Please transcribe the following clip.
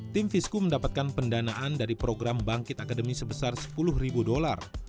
tim fisku mendapatkan pendanaan dari program bangkit akademi sebesar sepuluh ribu dolar